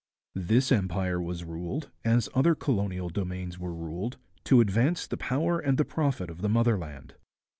This empire was ruled, as other colonial domains were ruled, to advance the power and the profit of the motherland.